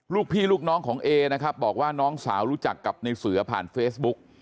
ลูกพี่ลูกน้องของเอนะครับบอกว่าน้องสาวรู้จักกับในเสือผ่านเฟซบุ๊ก